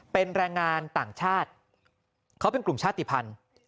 เป็นแรงงานต่างชาติเขาเป็นกลุ่มชาติภัณฑ์